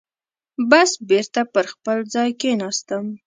بس بېرته پر خپل ځای کېناستم.